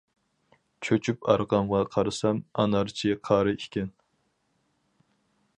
چۆچۈپ ئارقامغا قارىسام، ئانارچى قارى ئىكەن.